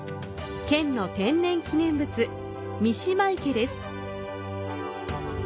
県の天然記念物、三島池です。